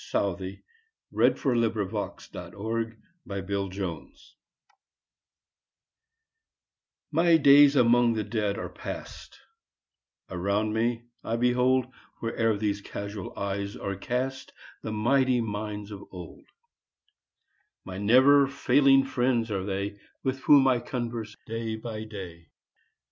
Stanzas Written in His Library 1V/TY days among the Dead are past; *•• Around me I behold, Where'er these casual eyes are cast, The mighty minds of old; My never failing friends are they, With whom I converse day by day.